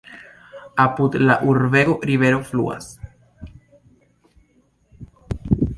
Apud la urbego rivero fluas.